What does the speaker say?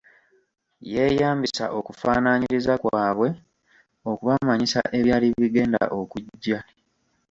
Yeeyambisa okufaanaanyiriza kwabwe okubamanyisa ebyali bigenda okujja.